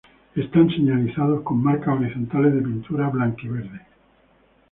Están señalizados con marcas horizontales de pintura blanca y verde.